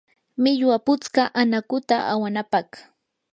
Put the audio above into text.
millwata putskaa anakuta awanapaq.